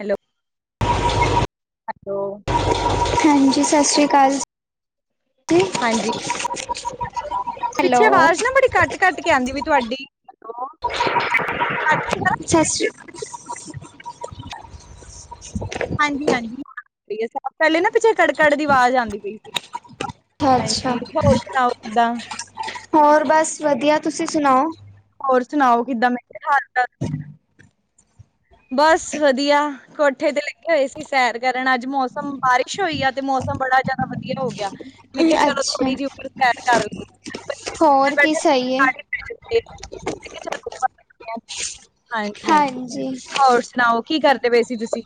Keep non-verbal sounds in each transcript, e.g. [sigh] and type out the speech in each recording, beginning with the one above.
Hello hello ਹਾਂਜੀ ਸਤਿ ਸ਼੍ਰੀ ਅਕਾਲ ਜੀ [inaudible] ਹਾਂਜੀ [inaudible] ਪਿੱਛੇ ਹੈਲੋ ਆਵਾਜ਼ ਨਾ ਬੜੀ ਕੱਟ ਕੱਟ ਕੇ ਆਉਂਦੀ ਵੀ ਤੁਹਾਡੀ [inaudible] [unintelligible] ਹਾਂਜੀ- ਹਾਂਜੀ ਪਹਿਲੇ ਨਾ ਪਿੱਛੇ ਕੜ-ਕੜ ਦੀ ਆਵਾਜ਼ ਆਂਦੀ ਪਈ ਸੀ ਅੱਛਾ ਹਾਂਜੀ ਹੋਰ ਸੁਣਾਓ ਕਿਦਾਂ ਹੋਰ ਬਸ ਵਧੀਆ ਤੁਸੀਂ ਸੁਣਾਓ। ਹੋਰ ਸੁਣਾਓ ਕਿੱਦਾਂ ਮੈਂ ਕਿਹਾ ਹ [inaudible] ਬਸ ਵਧੀਆ ਕੋਠੇ ਤੇ ਲੱਗੇ ਹੋਏ ਸੀ ਸੈਰ ਕਰਨ ਅੱਜ ਮੌਸਮ ਬਾਰਿਸ਼ ਹੋਈ ਆ ਤੇ ਮੌਸਮ ਬੜਾ ਜਿਆਦਾ ਵਧੀਆ ਹੋ ਗਿਆ। ਮੈਂ ਕਿਹਾ ਚਲੋ ਅੱਛਾ ਥੋੜੀ ਜਿਹੀ ਉੱਪਰ ਸੈਰ ਕਰ ਲਈੈ ਏ। ਹੋਰ ਕੀ ਸਹੀ ਹੈ [unintelligible] [unintelligible] ਹਾਂਜੀ ਹੋਰ ਸੁਣਾਓ ਕੀ ਕਰਦੇ ਪਏ ਸੀ ਤੁਸੀਂ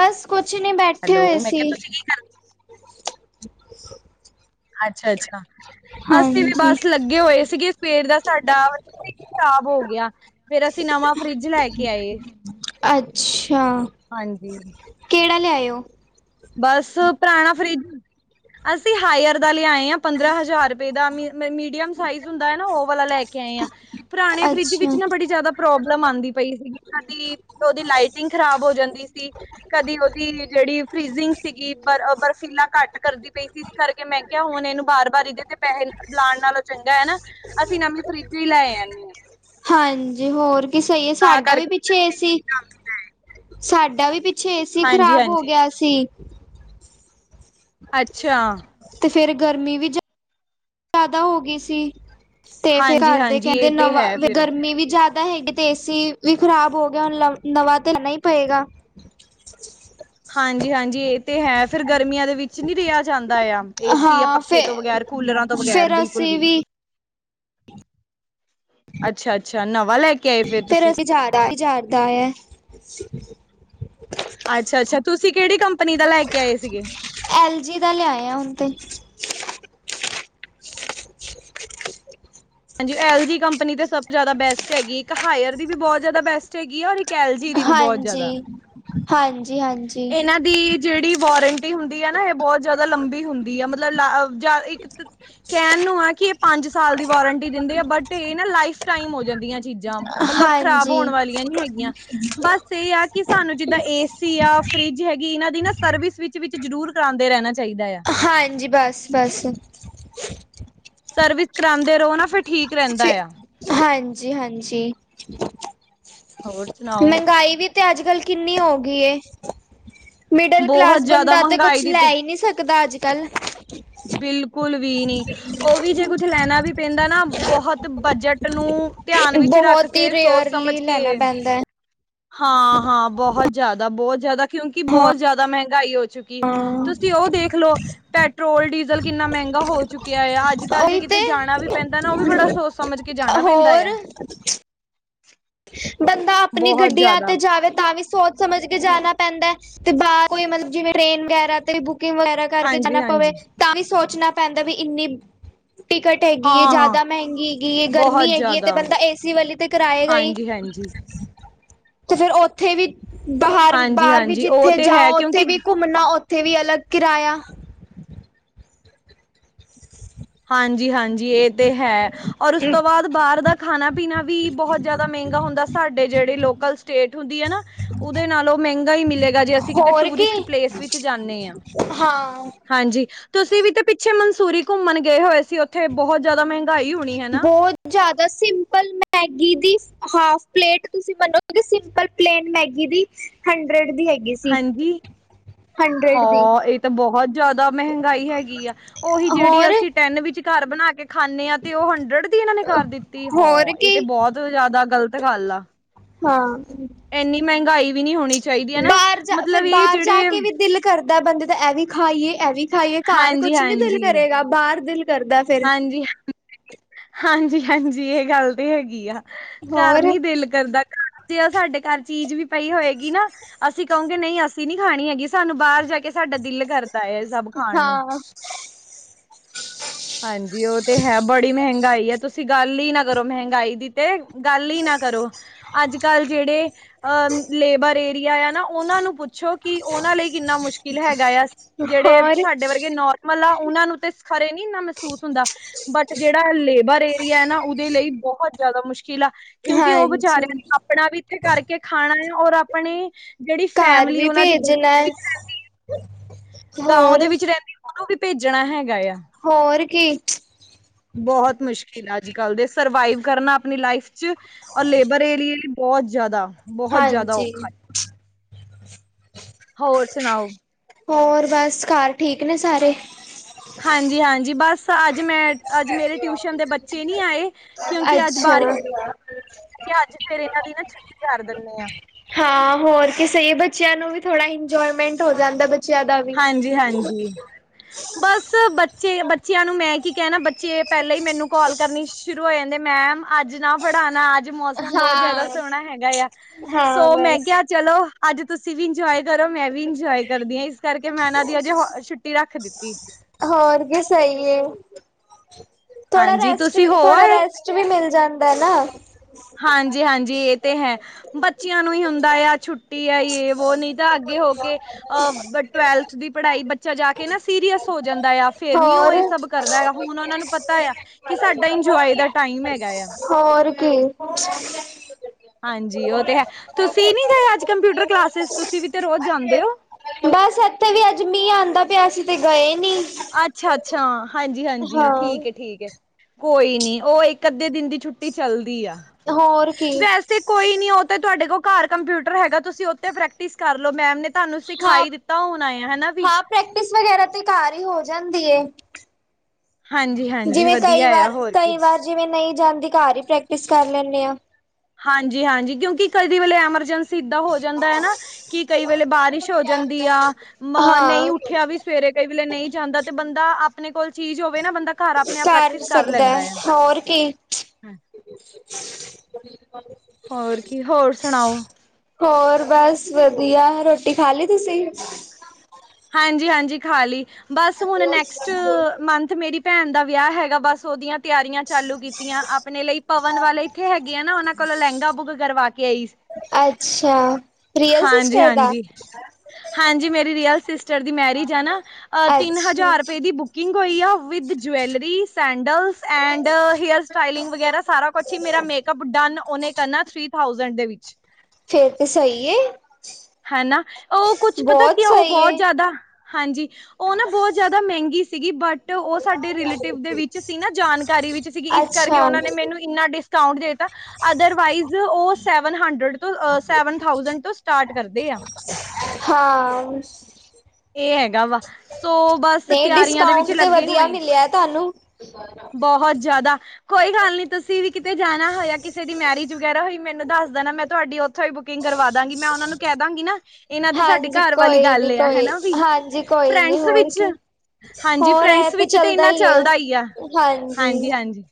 ਬਸ ਕੁਛ ਨੀ ਬੈਠੇ ਹੈਲੋ, ਹੋਏ ਮੈਂ ਕਿਹਾ ਸੀ। ਤੁਸੀਂ ਕੀ ਅੱਛਾ -ਅੱਛਾ ਅਸੀਂ ਵੀ ਹਾਂਜੀ ਬਸ ਲੱਗੇ ਹੋਏ ਸੀਗੇ। ਸਵੇਰ ਦਾ ਸਾਡਾ ਫਰਿੱਜ ਖ਼ਰਾਬ ਹੋ ਗਿਆ ਫੇਰ ਅਸੀਂ ਨਵਾਂ ਫਰਿੱਜ ਲੈ ਕੇ ਆਏ। ਅੱਛਾ ਹਾਂਜੀ ਕਿਹੜਾ ਲਿਆਏ ਓ। ਬਸ ਪੁਰਾਣਾ ਫਰਿਜ ਅਸੀਂ ਹਾਇਰ ਦਾ ਲਿਆਏ ਹਾਂ ਪੰਦਰਾਂ ਹਜ਼ਾਰ ਰੁਪਏ ਦਾ ਮੀਡੀਅਮ ਸਾਈਜ਼ ਹੁੰਦਾ ਨਾ ਉਹ ਵਾਲਾ ਲੈ ਕੇ ਏ ਆ ਪੁਰਾਣੇ ਫਰਿੱਜ ਵਿੱਚ ਅੱਛਾ ਨਾ ਬੜੀ ਜ਼ਿਆਦਾ ਪ੍ਰੋਬਲਮ ਆਂਦੀ ਪਈ ਸੀਗੀ ਕਦੀ ਉਹਦੀ ਲਾਈਟਿੰਗ ਖ਼ਰਾਬ ਹੋ ਜਾਂਦੀ ਸੀ। ਕਦੀ ਉਹਦੀ ਜਿਹੜੀ ਫ੍ਰਿਜਿੰਗ ਸੀਗੀ ਬਰ ਬਰਫੀਲਾ ਘੱਟ ਕਰਦੀ ਪਈ ਸੀ। ਇਸ ਕਰਕੇ ਮੈਂ ਕਿਹਾ ਹੁਣ ਇਹਨੂੰ ਬਾਰ- ਬਾਰ ਇਹਦੇ ਤੇ ਪੈਸੇ ਲਾਉਣ ਨਾਲੋਂ ਚੰਗਾ ਏ ਨਾ। ਅਸੀਂ ਨਵੀਂ ਫਰਿੱਜ ਹੀ ਲੈ ਆਏ ਆਂ। ਹਾਂਜੀ ਹੋਰ ਕੀ ਸਹੀ ਹੈ ਤਾਂ ਸਾਡਾ ਵੀ ਕਰਕੇ ਪਿੱਛੇ ਏ ਅਸੀਂ ਵੀ ਸੀ ਨਵੀਂ ਲੈ ਆਏ। ਸਾਡਾ ਵੀ ਪਿੱ ਪਿੱਛੇ ਏਸੀ ਹਾਂਜੀ ਖ਼ਰਾਬ ਹੋ ਹਾਂਜੀ ਗਿਆ ਸੀ। ਅੱਛਾ ਤੇ ਫੇਰ ਗਰਮੀ ਵਿਚ ਜ਼ਿਆਦਾ ਹੋ ਗਈ ਸੀ ਤੇ ਫੇਰ ਹਾਂਜੀ ਕਰਦੇ ਹਾਂਜੀ ਕਹਿੰਦੇ ਇਹ ਤੇ ਨਵਾਂ ਹੈ ਫਿਰ ਗਰਮੀ ਵੀ ਜ਼ਿਆਦਾ ਪ ਹੈਗੀ ਤੇ ਏਸੀ ਵੀ ਖ਼ਰਾਬ ਹੋ ਗਿਆ ਹੁਣ ਨਵਾਂ ਤੇ ਲੈਨਾ ਹੀ ਪਏਗਾ। [inaudible] ਹਾਂਜੀ -ਹਾਂਜੀ ਇਹ ਤੇ ਹੈ ਫਿਰ ਗਰਮੀਆਂ ਦੇ ਵਿੱਚ ਨੀ ਰਿਹਾ ਜਾਂਦਾ ਆ ਏਸੀ ਆ ਹਾਂ ਪੱਖੇ ਫੇ ਤੋਂ ਬਗੈਰ ਕੂਲਰਾਂ ਤੋਂ ਬਗੈਰ ਫੇਰ ਬਿਲਕੁਲ ਅਸੀਂ ਵੀ ਅੱਛਾ- ਅੱਛਾ ਨਵਾਂ ਲੈ ਕੇ ਆਏ ਫਿਰ ਫੇਰ ਤੁਸੀ [unintelligible] ਅੱਛਾ -ਅੱਛਾ ਤੁਸੀਂ ਕਿਹੜੀ ਕੰਪਨੀ ਦਾ ਲੈ ਕੇ ਆਏ ਸੀਗੇ। ਐਲ ਜੀ ਦਾ ਲਿਆਏ ਹੁਣ ਤੇ [inaudible] ਹਾਂਜੀ ਐਲ ਜੀ ਕੰਪਨੀ ਤੇ ਸਭ ਤੋਂ ਜ਼ਿਆਦਾ ਬੈਸਟ ਹੈਗੀ ਇੱਕ ਹਾਇਰ ਦੀ ਵੀ ਬਹੁਤ ਜ਼ਿਆਦਾ ਬੈਸਟ ਹੈਗੀ ਔਰ ਇੱਕ ਕੈਲਜੀ ਦੀ ਵੀ ਬਹੁਤ ਹਾਂਜੀ ਜ਼ਿਆਦਾ ਹਾਂਜੀ- ਹਾਂਜੀ। ਇਹਨਾਂ ਦੀ ਜਿਹੜੀ ਵਾਰੰਟੀ ਹੁੰਦੀ ਹੈ, ਨਾ, ਇਹ ਬਹੁਤ ਜਿਆਦਾ ਲੰਬੀ ਹੁੰਦੀ ਆ, ਮਤਲਬ ਲ ਇੱਕ ਕਹਿਣ ਨੂੰ ਆ, ਕਿ ਇਹ ਪੰਜ ਸਾਲ ਦੀ ਵਾਰੰਟੀ ਦਿੰਦੇ ਆ, ਬਟ ਇਹ ਨਾ, ਲਾਈਫ ਟਾਈਮ ਹੋ ਜਾਂਦੀਆਂ। ਚੀਜ਼ਾਂ, ਮਤਲਬ ਖਰਾਬ ਹਾਂਜੀ ਹੋਣ ਵਾਲੀਆਂ ਨੀ ਹੈਗੀਆਂ, ਬਸ ਇਹ ਆ, ਕਿ ਸਾਨੂੰ ਜਿੱਦਾਂ ਏਸ ਸੀ, ਆ ਫਰਿੱਜ ਹੈਗੀ, ਇਹਨਾਂ ਦੀ ਨਾ ਸਰਵਿਸ ਵਿੱਚ- ਵਿੱਚ ਜ਼ਰੂਰ ਕਰਾਉਂਦੇ ਰਹਿਣਾ ਚਾਹੀਦਾ ਆ। ਹਾਂਜੀ, ਬਸ -ਬਸ। ਸਰਵਿਸ ਕਰਾਉਂਦੇ ਰਹੋ ਨਾ, ਫਿਰ ਠੀਕ ਰਹਿੰਦਾ ਫਿਰ, ਆ ਹਾਂਜੀ -ਹਾਂਜੀ। ਹੋਰ ਸੁਣਾਓ ਮਹਿੰਗਾਈ ਵੀ ਤੇ, ਅੱਜ ਕਲ ਕਿੰਨੀ ਹੋ ਗਈ ਏ। ਮਿਡਲ ਬਹੁਤ ਕਲਾਸ ਜ਼ਿਆਦਾ ਬੰਦਾ ਤੇ ਮਹਿੰਗਾਈ ਕੁਛ ਦੀ ਲੈ ਹੀ ਨਹੀਂ ਸਕਦਾ, ਅੱਜ- ਕੱਲ ਬਿਲਕੁਲ, ਵੀ ਨੀ ਉਹ ਵੀ ਜੇ, ਕੁਛ ਲੈਣਾ ਵੀ ਪੈਂਦਾ ਨਾ, ਬਹੁਤ ਬਜਟ ਨੂੰ ਧਿਆਨ ਵਿੱਚ ਰੱਖ ਬਹੁਤ ਹੀ ਕੇ, ਸੋਚ ਰੇਅਰਲੀ ਸਮਝ ਕੇ ਲੈਣਾ ਪੈਂਦਾ ਹੈ ਹਾਂ- ਹਾਂ, ਬਹੁਤ ਜ਼ਿਆਦਾ- ਬਹੁਤ ਜ਼ਿਆਦਾ, ਕਿਉਂਕਿ ਹਾਂ ਬਹੁਤ ਜ਼ਿਆਦਾ, ਮਹਿੰਗਾਈ ਹੋ ਚੁੱਕੀ ਤੁਸੀਂ ਉਹ ਦੇਖ ਲਉ ਪੈਟਰੋਲ, ਡੀਜ਼ਲ ਕਿੰਨਾ ਮਹਿੰਗਾ ਹੋ ਚੁੱਕ ਕਿਆ, ਅੱਜ -ਕੱਲ ਜੇ ਉਹੀ ਕਿਤੇ ਤੇ ਜਾਣਾ ਵੀ ਪੈਂਦਾ ਨਾ, ਉਹ ਵੀ ਬੜਾ ਸੋਚ ਸਮਝ ਕੇ, ਜਾਣਾ ਪੈਂਦਾ ਹੋਰ ਆ। ਬੰਦਾ, ਆਪਣੀ ਬਹੁਤ ਗੱਡੀਆਂ ਜ਼ਿਆਦਾ ਤੇ ਜਾਵੇ ਤਾਂ ਵੀ ਸੋਚ ਸਮਝ ਕੇ ਜਾਣਾ ਪੈਂਦਾ, ਤੇ ਬਾਹਰ ਕੋਈ ਮਤਲਬ, ਜਿਵੇਂ ਟ੍ਰੇਨ ਵਗੈਰਾ ਤੇ ਬੁਕਿੰਗ ਵਗੈਰਾ ਕਰਕੇ ਹਾਂਜੀ ਜਾਣਾ ਪਵੇ ਹਾਂਜੀ ਤਾਂ ਵੀ ਸੋਚਣਾ ਪੈਂਦਾ ਵੀ, ਇੰਨੀ ਟਿਕਟ ਹੈਗੀ, ਹਾਂ ਹਾਂ ਜਿਆਦਾ ਮਹਿੰਗੀ ਹੈਗੀ ਏ, ਬਹੁਤ ਗਰਮੀ ਹੈਗੀ ਹੈ, ਤੇ ਬੰਦਾ ਏਸੀ ਵਾਲੀ ਤੇ ਕਰਾਏਗਾ ਹੀ। ਜੀ, ਹਾਂਜੀ। ਤੇ ਫੇਰ, ਉੱਥੇ ਵੀ ਬਾਹਰ, ਹਾਂਜੀ ਬਾਹਰ ਵੀ ਹਾਂਜੀ ਉਹ ਜਿੱਥੇ ਤੇ ਹੈ ਜਾਓ, ਉੱਥੇ ਕਿਉਂਕਿ ਵੀ ਘੁੰਮ ਘੁੰਮਣਾ, ਉੱਥੇ ਵੀ ਅਲੱਗ ਕਿਰਾਇਆ। ਹਾਂਜੀ- ਹਾਂਜੀ, ਇਹ ਤੇ ਹੈ। ਔਰ ਉਸ ਤੋਂ ਬਾਅਦ ਬਾਹਰ ਦਾ ਖਾਣਾ -ਪੀਣਾ ਵੀ, ਬਹੁਤ ਜਿਆਦਾ ਮਹਿੰਗਾ ਹੁੰਦਾ, ਸਾਡੇ ਜਿਹੜੇ ਲੋਕਲ ਸਟੇਟ ਹੁੰਦੀ ਆ ਨਾ, ਉਹਦੇ ਨਾਲੋਂ ਮਹਿੰਗਾ ਹੀ ਮਿਲੇਗਾ, ਜੇ ਅਸੀਂ ਕਿਤੇ ਹੋਰ ਕੀ ਟੂਰਿਸਟ ਪਲੇਸ ਵਿੱਚ ਜਾਂਨੇ ਹਾਂ। ਹਾਂ ਹਾਂਜੀ, ਤੁਸੀਂ ਵੀ ਤੇ ਪਿੱਛੇ ਮਨਸੂਰੀ ਘੁੰਮਣ ਗਏ ਹੋਏ ਸੀ, ਉੱਥੇ ਬਹੁਤ ਜ਼ਿਆਦਾ ਮਹਿੰਗਾਈ ਹੋਣੀ, ਹੈਨਾ? ਬਹੁਤ ਜ਼ਿਆਦਾ, ਸਿੰਪਲ ਮੈਗੀ ਦੀ, ਹਾਫ ਪਲੇਟ ਤੁਸੀਂ ਮੰਨੋਗੇ ਸਿੰਪਲ ਪਲੇਨ ਮੈਗੀ ਦੀ ਹੰਡਰਡ, ਦੀ ਹੈਗੀ। ਸੀ ਹਾਂਜੀ? ਦੀ ਹਾਅ, ਇਹ ਤਾਂ ਬਹੁਤ ਜ਼ਿਆਦਾ ਮਹਿੰਗਾਈ ਹੈਗੀ ਆ, ਉਹੀ ਜਿਹੜੀ ਹੋਰ ਅਸੀਂ ਟੈਨ ਵਿੱਚ ਘਰ ਬਣਾ ਕੇ ਖਾਂਨੇ ਹਾਂ, ਤੇ ਉਹ ਹੰਡਰਡ ਦੀ ਇਹਨਾਂ ਨੇ ਕਰ ਦਿੱਤੀ, ਹੋਰ ਹਾਅ, ਇਹ ਤੇ ਕੀ ਬਹੁਤ ਬਹੁਤ, ਜ਼ਿਆਦਾ ਗ਼ਲਤ ਗੱਲ ਆ ਹਾਂ ਇੰਨੀ, ਮਹਿੰਗਾਈ ਵੀ ਨਹੀਂ ਹੋਣੀ ਚਾਹੀਦੀ ਹੈ ਨਾ ਬਾਹਰ ਜਾ, ਫਿਰ ਮਤਲਬ ਇਹ ਬਾਹਰ ਜਾ ਜਿਹੜੇ ਕੇ, ਵੀ ਦਿਲ ਕਰਦਾ ਬੰਦੇ ਦਾ, ਇਹ ਵੀ ਖਾਈਏ, ਇਹ ਵੀ ਖਾਈਏ, ਘਰ ਹਾਂਜੀ ਕੁਛ ਨੀ ਦਿਲ ਹਾਂਜੀ ਕਰੇਗਾ, ਬਾਹਰ ਦਿਲ ਕਰਦਾ ਫਿਰ ਹਾਂਜੀ, ਹ, ਹਾਂਜੀ -ਹਾਂਜੀ ਇਹ ਗੱਲ ਤੇ ਹੈਗੀ ਆ। ਘਰ ਹੋਰ ਨੀ ਦਿਲ ਕਰਦਾ, ਘਰ ਜੇ ਸਾਡੇ, ਘਰ ਚੀਜ਼ ਵੀ ਪਈ ਹੋਏਗੀ ਨਾ, ਅਸੀਂ ਕਹੋਂ ਨਹੀਂ, ਅਸੀਂ ਨੀ ਖਾਣੀ ਹੈਗੀ, ਸਾਨੂੰ ਬਾਹਰ ਜਾ ਕੇ ਸਾਡਾ ਦਿਲ ਕਰਦਾ ਹੈ, ਇਹ ਸਭ ਖਾਣ ਨੂੰ। [inaudible] ਹਾਂਜੀ, ਉਹ ਤੇ ਹੈ, ਬੜੀ ਮਹਿੰਗਾਈ ਹੈ, ਤੁਸੀਂ ਗੱਲ ਹੀ ਨਾ, ਕਰੋ ਮਹਿੰਗਾਈ ਦੀ ਤੇ ਗੱਲ ਹੀ ਨਾ ਕਰੋ, ਅੱਜ- ਕੱਲ ਜਿਹੜੇ ਅ ਲੇਬਰ ਏਰੀਆ ਆ ਨਾ ਉਹਨਾਂ ਨੂੰ ਪੁੱ ਪੁੱਛੋ ਕਿ, ਉਹਨਾਂ ਲਈ ਕਿੰਨਾ ਮੁਸ਼ਕਿਲ ਹੈਗਾ ਆ, ਜਿਹੜੇ ਹੋਰ ਸਾਡੇ ਵਰਗੇ ਨਾਰ ਮਲ, ਉਹਨਾਂ ਨੂੰ ਤੇ ਖਰੇ ਇੰਨਾ, ਮਹਿਸੂਸ ਹੁੰਦਾ ਬਟ, ਜਿਹੜਾ ਲੇਬਰ ਏਰੀਆ ਨਾ, ਉਹਦੇ ਲਈ ਬਹੁਤ ਜ਼ਿਆਦਾ ਮੁਸ਼ਕਿਲ ਆ। ਕਿਉਂਕਿ, ਉਹ ਹਾਂਜੀ ਵਿਚਾਰਿਆਂ ਨੇ, ਆਪਣਾ ਵੀ ਇੱਥੇ ਕਰਕੇ ਖਾਣਾ ਆ ਔਰ ਆਪਣੇ ਜਿਹੜੀ, ਘਰ ਫੈਮਿਲੀ ਵੀ ਉਹਨਾਂ ਦੀ ਭੇਜਣਾ ਹੈ। [unintelligible] ਗਾਂਔ ਹੋਰ ਦੇ ਵਿੱਚ ਰੈਂਦੀ ਔਨੂੰ ਵੀ ਭੇਜਣਾ ਹੈਗਾ ਏਆ। ਹੋਰ ਕੀ। ਬੋਹੋਤ ਮੁਸ਼ਕਿਲ ਐ ਅੱਜ ਕੱਲ ਦੇ ਸਰਵਾਈਵ ਕਰਨਾ ਅਪਣੀ ਲਾਈਫ 'ਚ ਔਰ ਲੇਬਰ ਏਰੀਏ ਬੋਹੋਤ ਜ਼ਿਆਦਾ, ਬੋਹੋਤ ਜ਼ਿਆਦਾ ਔਖਾ ਹਾਂਜੀ ਏ। ਹੋਰ ਸੁਣਾਔ। ਹੋਰ ਬਸ, ਘਰ ਠੀਕ ਨੇ ਸਾਰੇ? ਹਾਂਜੀ-ਹਾਂਜੀ ਬਸ, ਅੱਜ ਮੈਂ ਅੱਜ ਮੇਰੀ ਟਿਊਸ਼ਨ ਦੇ ਬੱਚੇ ਨੀ ਆਏ। ਅੱਛਾ। ਤੇ ਅੱਜ ਫਿਰ ਏਨਾਂ ਦੀ ਨਾਂ ਛੁੱਟੀ ਕਰ ਦਿੰਨੇ ਆਂ। ਹਾਂ, ਹੋਰ ਕੀ ਸਈ ਏ। ਬੱਚਿਆਂ ਨੂੰ ਵੀ ਥੋੜਾ ਇੰਜੋਏਮੈਂਟ ਹੋ ਜਾਂਦਾ ਬੱਚਿਆਂ ਦਾ ਵੀ। ਹਾਂਜੀ-ਹਾਂਜੀ, ਬਸ ਬੱਚੇ ਬੱਚਿਆਂ ਨੂੰ ਮੈਂ ਕੀ ਕਹਿਣਾ ਬੱ ਚੇ ਪੈਲਾਂ ਈ ਮੈਨੂੰ ਕਾਲ ਕਰਨੀ ਸ਼ੁਰੂ ਹੋ ਜਾਂਦੇ ਮੈਮ ਅੱਜ ਨਾ ਪੜ੍ਹਾਣਾ ਅੱਜ ਮੌਸਮ ਬੋਹੋਤ ਜਿਆਦਾ ਹਾਂ ਸੋਹਣਾ ਹੈਗਾ ਏਆ, ਸੋ ਮੈਂ ਬਸ। ਕਿਆ ਚਲੋ ਅੱਜ ਤੁਸੀ ਵੀ ਇੰਜੋਆਏ ਕਰੋ ਮੈਂ ਵੀ ਇੰਜੋਆਏ ਕਰਦੀ ਆਂ। ਇਸ ਕਰਕੇ ਮੈਂ ਔਨਾਂ ਦੀ ਅਜੱ ਹ ਛੁੱਟੀ ਰੱਖ ਦਿੱਤੀ। ਹੋਰ ਕੀ ਸਈ ਏ। ਥੋੜਾ ਹਾਂਜੀ ਰੈਸਟ ਤੁਸੀਂ ਵੀ, ਹੋ ਥੋੜਾ ਆਏ ਰੈਸਟ ਵੀ ਮਿਲ ਜਾਂਦੈ ਨਾ। ਹਾਂਜੀ-ਹਾਂਜੀ ਏ ਤੇ ਹੈ। ਬੱਚਿਆਂ ਨੂੰ ਈ ਹੁੰਦਾ ਏਆ ਛੁੱਟੀ ਐ। ਯੇ, ਵੋ ਨੀ ਤਾਂ ਅੱਗੇ ਹੋ ਕੇ ਅ ਬਟ ਟਵੈਲਥ ਦੀ ਪੜ੍ਹਾਈ ਬੱਚਾ ਜਾ ਕੇ ਨਾ ਸੀਰੀਅਸ ਹੋ ਜਾਂਦਾ ਏਆ। ਫਿਰ ਨੀ ਔ ਹੋਰ ਏ ਸਭ ਕਰਦਾ ਏਆ। ਹੁਣ ਔਨਾਂ ਨੂੰ ਪਤਾ ਏਆ ਕਿ ਸਾਡਾ ਇੰਜੋਆਏ ਦਾ ਟਾਈਮ ਹੈਗਾ ਏਆ। ਹੋਰ ਕੀ। ਹਾਂਜੀ ਔ ਤੇ ਐ। ਤੁਸੀ ਨੀ ਗਏ ਅੱਜ ਕੰਪਿਊਟਰ ਕਲਾਸਿਸ, ਤੁਸੀ ਵੀ ਤੇ ਰੋਜ਼ ਜਾਂਦੇ ਔ। ਬੱਸ ਇੱਥੇ ਵੀ ਅੱਜ ਮੀਂਹ ਆਂਦਾ ਪਿਆ, ਅਸੀ ਤੇ ਗਏ ਨੀ। ਅੱਛਾ-ਅੱਛਾ। ਹਾਂਜੀ-ਹਾਂਜੀ। ਹਾਂ। ਠੀਕ ਏ-ਠੀਕ ਏ। ਕੋਈ ਨੀ ਔ ਇੱਕ ਅੱਧੇ ਦਿਨ ਦੀ ਛੁੱਟੀ ਚੱਲਦੀ ਆ। ਹੋਰ ਕੀ ਵੈਸੇ ਕੋਈ ਨੀ ਔ ਤੇ ਤੁਆਡੇ ਕੋਲ ਘਾਰ ਕੰਪਿਊਟਰ ਹੈਗਾ ਤੁਸੀ ਉੱਥੇ ਪ੍ਰੈਕਟਿਸ ਕਰ ਲੋ ਮੈਮ ਨੇ ਤਾਨੂੰ ਸਿਖਾ ਹਾਂ ਈ ਦਿੱਤਾ ਹੋਣਾ ਏ, ਹੈਨਾ ਵੀ। ਹਾਂ ਪ੍ਰੈਕਟਿਸ ਵਗੈਰਾ ਤੇ ਘਰ ਹੀ ਹੋ ਜਾਂਦੀ ਏ। ਹਾਂਜੀ-ਹਾਂਜੀ ਜਿਵੇਂ ਕਈ ਵਧੀਆ ਆ ਵਾਰ, ਹੋਰ ਕਈ ਕੀ। ਵਾਰ ਜਿਵੇਂ ਨਈ ਜਾਂਦੀ। ਘਾਰ ਈ ਪ੍ਰੈਕਟਿਸ ਕਰ ਲੈਂਨੇ ਆਂ। ਹਾਂਜੀ-ਹਾਂਜੀ ਕਿਉਂਕਿ ਕਦੀ ਵੇਲੇ ਐਮਰਜੈਂਸੀ ਸਿੱਧਾ ਹੋ ਜਾਂਦੈ ਨਾ ਕਿ ਕਈ ਵੇਲੇ ਬਾਰਿਸ਼ ਹੋ ਜਾਂਦੀ ਆ ਮ ਨਈ ਹਾਂ ਉੱਠਿਆ ਵੀ ਸਵੇਰੇ ਕਈ ਵੇਲੇ ਨਈ ਜਾਂਦਾ ਤੇ ਬੰਦਾ ਆਪਣੇ ਕੋਲ ਚੀਜ਼ ਹੋਵੇ ਨਾ ਬੰਦਾ ਘਰ ਆਪਣੇ ਆਪ ਕਰ ਵੀ ਪ੍ਰੈਕਟਿਸ ਸਕਦੈ, ਲੈਂਦਾ ਆ। ਹੋਰ ਕੀ। [unintelligible] ਹੋਰ ਕੀ, ਹੋਰ ਸੁਣਾਔ। ਹੋਰ ਬੱਸ ਵਧੀਆ। ਰੋਟੀ ਖਾ ਲਈ ਤੁਸੀ? ਹਾਂਜੀ-ਹਾਂਜੀ ਖਾ ਲਈ। ਬੱਸ ਹੁਣ ਨੈਕਸਟ ਮੰਥ ਮੇਰੀ ਭੈਣ ਦਾ ਵਿਆਹ ਹੈਗਾ ਬਸ ਔਦੀਆਂ ਤਿਆਰੀਆਂ ਚਾਲੂ ਕੀਤੀਆਂ। ਆਪਣੇ ਲਈ ਪਵਨ ਵਾਲੇ ਇੱਥੇ ਹੈਗੇ ਆ ਨਾ ਔਨਾਂ ਕੋਲੋਂ ਲੈਂਗਾ ਬੁੱਕ ਕਰਵਾ ਕੇ ਆਈ ਅੱਛਾ। ਰੀਅਲ ਹਾਂਜੀ, ਸਿਸਟਰ ਦਾ ਹਾਂਜੀ। ਹਾਂਜੀ ਮੇਰੀ ਰੀਅਲ ਸਿਸਟਰ ਦੀ ਮੈਰਿਜ ਐ ਨਾ ਅ ਤਿੰਨ ਅੱਛਾ ਹਜ਼ਾਰ ਰੁਪਏ ਦੀ ਬੁੱਕ ਕਿੰਗ ਹੋਈ ਆ with jewellery, sandals and hair styling ਵਗੈਰਾ ਸਾਰਾ ਕੁੱ ਸੀ ਮੇਰਾ ਮੇਕਅਪ ਡਨ ਔਨੇ ਕਰਨੈ ਥ੍ਰੀ ਥਾਉਸੈਂਡ ਦੇ ਵਿੱਚ। ਫੇਰ ਤੇ ਸਈ ਏ। ਹੈ ਨਾ ਔ ਕੁੱਛ ਪਤੈ ਬਹੁਤ ਕੀ ਆ ਔ ਸਹੀ ਬੋਤ ਏ। ਜ਼ਿਆਦਾ, ਹਾਂਜੀ ਔ ਨਾ ਬੋਤ ਜ਼ਿਆਦਾ ਮਹਿੰਗੀ ਸੀਗੀ ਬਟ ਔ ਸਾਡੇ ਰਿਲੇਟਿਵ ਦੇ ਵਿੱਚ ਸੀ ਨਾ ਜਾਣਕਾਰੀ ਵਿੱਚ ਸੀਗੀ ਇਸ ਕਰਕੇ ਅੱਛਾ ਔਨਾਂ ਨੇ ਮੈਨੂੰ ਇੰਨਾ ਡਿਸਕਾਊਂਟ ਦੇ ਤਾ ਅਦਰਵਾਈਜ਼ ਔ ਸੈਵਨ ਹੰਡਰਡ ਤੋਂ ਅ ਸੈਵਨ ਥਾਸਡ ਤੋਂ ਸਟਾਰਟ ਕਰਦੇ ਆ। ਹਾਂ ਏ ਹੈਗਾ ਵਾ ਸੋ ਬ ਨਈ ਡਿਸਕਾਊਂਟ ਤੇ ਵਧੀਆ ਮਿਲਿਐ ਤੁਆਨੂੰ। ਬੋਹੋਤ ਜ਼ਿਆਦਾ। ਕੋਈ ਗੱਲ ਨੀ ਤੁਸੀ ਵੀ ਕਿਤੇ ਜਾਣਾ ਹੋਇਆ ਕਿਸੇ ਦੀ ਮੈਰਿਜ ਵਗੈਰਾ ਹੋਈ ਮੈਨੂੰ ਦੱਸ ਦੇਣਾ ਮੈਂ ਤੁਆਡੀ ਔ ਥੋਂ ਈ ਬੁਕਿੰਗ ਕਰਵਾ ਦਾਂਗੀ। ਮੈਂ ਔਨਾਂ ਨੂੰ ਕੈ ਦਾਂਗੀ ਨਾ। ਏਨਾਂ ਦੀ ਸਾਡੇ ਹਾਂਜੀ ਘਰ ਵਾਲੀ ਕੋਈ ਗੱਲ ਨੀ ਏਆ ਕੋਈ ਹੈਨਾ ਵੀ। ਹਾਂਜੀ ਕੋਈ ਨੀ ਫਰੈਂਡਸ ਹੋਰ ਵਿੱਚ ਕੀ। ਹਾਂਜੀ ਹੋਰ ਇਹ ਫਰੈਂਡਸ ਦੇ ਵਿੱਚ ਤੇ ਇੰਨਾ ਹੀ ਹੈ ਚੱਲਦਾ ਈਆ। ਹਾਂਜੀ। ਹਾਂਜੀ-ਹਾਂਜੀ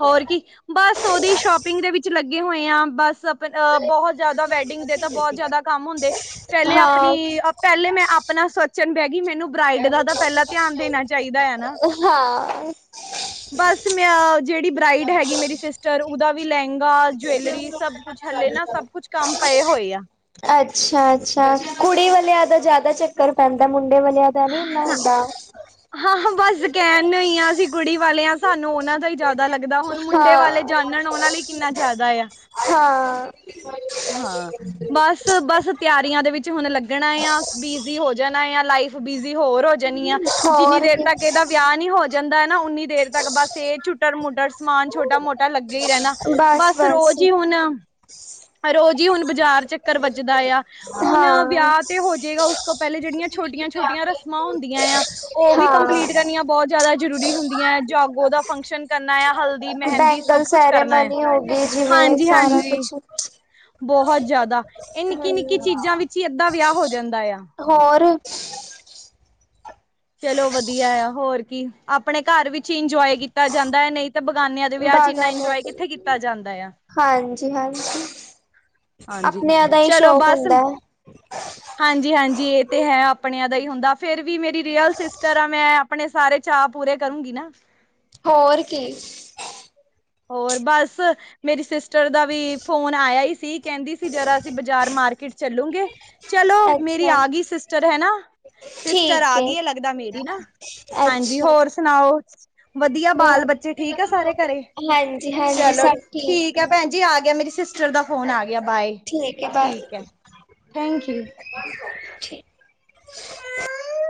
ਹੋਰ ਕੀ ਬਸ ਔਦੀ ਸ਼ੋ ਪਿੰਗ ਦੇ ਵਿੱਚ ਲੱਗੇ ਹੋਏ ਆਂ ਬਸ ਤ ਅ ਬੋਹੋਤ ਜਿਆਦਾ ਵੈਡਿੰਗ ਦੇ ਤਾਂ ਬੋਹੋਤ ਜਿਆਦਾ ਕੰਮ ਹੁੰਦੇ ਪੈਲੇ ਹਾਂ, ਆਪਣੀ, ਅ ਪੈਲੇ ਮੈਂ ਆਪ ਅਪਣਾ ਸੋਚਣ ਬੈ ਗਈ ਮੈਨੂੰ ਬ੍ਰਈਡ ਦਾ ਤਾਂ ਪੈਲਾਂ ਧਿਆਨ ਦੇਣਾ ਚਾਈਦਾ ਐ ਨਾ। [unintelligible] ਬਸ ਮੈਂ ਔ ਜੜੀ ਬਰਾਈਡ ਹੈਗੀ ਮੇਰੀ ਸਿਸਟਰ ਓਦਾ ਵੀ ਲੈਂਗਾ, ਜਵੈਲਰੀ ਸਭ ਕੁੱਛ ਹੱਲੇ ਨਾ ਸਭ ਕੁੱਛ ਕੰਮ ਪਏ ਹੋਏ ਆ। ਅੱਛਾ, ਅੱਛਾ ਕੁੜੀ ਵਾਲਿਆਂ ਦਾ ਜ਼ਿਆਦਾ ਚੱਕਰ ਪੈਂਦੈ ਮੁੰਡੇ ਵਾਲਿਆਂ ਦਾ ਨੀ ਇੰਨਾ ਹੁੰਦਾ। ਹਾਂ-ਹਾਂ ਬਸ ਕੈਣ ਨੂੰ ਈ ਆਂ ਅਸੀ ਕੁੜੀ ਵਾਲੇ ਆਂ ਸਾਨੂੰ ਔਨਾਂ ਦਾ ਈ ਜ਼ਿਆਦਾ ਲੱਗਦਾ ਹੁਣ ਮੁੰਡੇ ਹਾਂ, ਵਾਲੇ ਜਾਨਣ ਔਨਾਂ ਲਈ ਕਿੰਨਾ ਜਾਦਾ ਏਆ। ਹਾਂ। ਹਾਂ ਬਸ, ਬਸ ਤਿਆਰੀਆਂ ਦੇ ਵਿੱਚ ਹੁਣ ਲੱਗਣਾ ਏਆ। ਅਸ ਬੀਜ਼ੀ ਦੀ ਹੋ ਜਾਣਾ ਏਆ ਲਾਈਫ ਬੀਜ਼ੀ ਹੋਰ ਹੋ ਜਾਣੀ ਆ। ਜਿੰਨੀ ਹੋਰ ਦੇਰ ਕੀ ਤੱਕ ਏਦਾ ਵਿਆ ਨੀ ਹੋ ਜਾਂਦਾ ਨਾ ਔਨੀ ਦੇਰ ਤੱਕ ਬਸ ਏ ਚੁਟਰ-ਮੁਟਰ ਸਮਾਨ ਛੋਟਾ-ਮੋਟਾ ਲੱਗਿਆ ਈ ਰੈਨਾ। ਬਸ ਬਸ-ਬਸ, ਰੋਜ਼ ਈ ਹੁਣ, ਰੋਜ਼ ਈ ਹੁਣ ਬਜ਼ਾਰ ਚੱ ਕਰ ਵੱਜਦਾ ਏਆ। ਹੁਣ ਵਿਆ ਹਾਂ। ਤੇ ਹੋਜੇਗਾ ਉਸ ਤੋਂ ਪੈਲੇ ਜੇੜੀਆਂ ਛੋਟੀਆਂ-ਛੋਟੀਆਂ ਰ ਸਮਾਂ ਹੁੰਦੀਆਂ ਏਆ ਔ ਵੀ ਹਾਂ, ਕੰਪਲੀਟ ਕਰਨੀਆਂ ਬੋਤ ਜਾਦਾ ਜ਼ਰੂਰੀ ਹੁੰਦੀਐਂ। ਜਾਗੋ ਦਾ ਫੰਕਸ਼ਨ ਕਰਨਾ ਏਆ। ਹਲਦੀ, ਮਹਿੰਦੀ ਬੈਂਗਲ ਸਭ ਕੁਛ ਕਰਨਾ ਏਐ। ਸੈਰੇਮਨੀ ਹੋ ਗਈ, ਜਿਵੇਂ ਸਾਰਾ ਹਾਂਜੀ-ਹਾਂਜੀ। ਕੁਛ। ਬੋਹੋਤ ਜ਼ਿਆਦਾ। ਏ ਨਿੱਕੀ-ਨਿੱਕੀ ਹੂੰ, ਚੀਜ਼ਾਂ ਵਿੱਚ ਹੀ ਅੱਧਾ ਵਿਆ ਹੋ ਜਾਂਦਾ ਏਆ। ਹੋਰ। ਚਲੋ ਵਧੀਆ ਏਆ, ਹੋਰ ਕੀ। ਆਪਣੇ ਘਰ ਵਿੱਚ ਇੰਜੋਆਏ ਕੀਤਾ ਜਾਂਦਾ ਏ ਨਈ ਤਾ ਬਗਾਨਿਆਂ ਦੇ ਵਿਆਹ ਇੱਚ ਇੰਨਾ ਬਾਗਾਨਿਆਂ ਇੰਜੋਆਏ ਤੇ ਕਿੱਥੇ ਕੀਤਾ ਜਾਂਦਾ ਏਆ। ਹਾਂਜੀ-ਹਾਂਜੀ, ਹਾਂਜੀ ਆਪਣੇਆਂ ਦਾ ਈ ਸ਼ੌਕ ਹੁੰਦਾ ਹੈ। ਹਾਂਜੀ-ਹਾਂਜੀ ਏ ਤੇ ਹੈ ਆਪਣਿਆਂ ਦਾ ਈ ਹੁੰਦਾ। ਫੇਰ ਵੀ ਮੇਰੀ ਰਿਅਲ ਸਿਸਟਰ ਆ ਮੈਂ ਆਪਣੇ ਸਾਰੇ ਚਾਅ ਪੂਰੇ ਕਰੂੰਗੀ ਨਾ। ਹੋਰ ਕੀ। ਹੋਰ ਬਸ ਮੇਰੀ ਸਿਸਟਰ ਦਾ ਵੀ ਫੋਨ ਆਇਆ ਈ ਸੀ, ਕੈਂਦੀ ਸੀ ਜਰਾ ਅਸੀ ਬਜ਼ਾਰ ਮਾਰਕੀਟ ਚੱਲੂਗੇ। ਚਲੋ! ਮੇਰੀ ਅੱਛਾ, ਆ ਗੀ ਸਿਸਟਰ ਹੈ ਨਾ। ਸਿਸਟਰ ਆ ਗੀ ਏ ਲੱਗਦਾ ਮੇਰੀ ਨਾ। ਹਾਂਜੀ ਅੱਛਾ। ਹੋਰ ਸੁਣਾਔ? ਵਧੀਆ। ਮੈਂ ਬਾਲ ਬੱਚੇ ਠੀਕ ਆ ਸਾਰੇ ਘਰੇ। ਹਾਂਜੀ ਹਾਂਜੀ ਚਲੋ, ਸਭ ਠੀਕ ਐ ਭੈਣ ਜੀ ਆ ਗਿਆ, ਮੇਰੀ ਸਿਸਟਰ ਦਾ ਫੋਨ ਆ ਗਿਆ ਬਾਏ। ਠੀਕ ਐ, ਠੀਕ ਹੈ ਬਾਏ। Thank you [unintelligible]